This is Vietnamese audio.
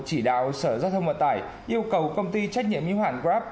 chỉ đạo sở giao thông bộ tải yêu cầu công ty trách nhiệm như hàn grab